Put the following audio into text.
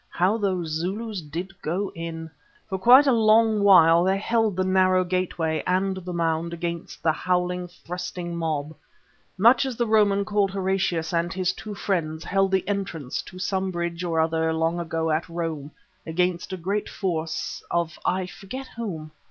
How those Zulus did go in. For quite a long while they held the narrow gateway and the mound against all the howling, thrusting mob, much as the Roman called Horatius and his two friends held the entrance to some bridge or other long ago at Rome against a great force of I forget whom.